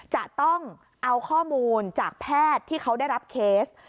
จะต้องเอาข้อมูลจากแพทย์ที่เขาได้รับเคส